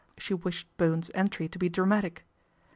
She wished Bowen's entry to be dramatic.